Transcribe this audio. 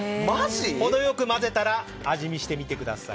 程良く混ぜたら味見してみてください。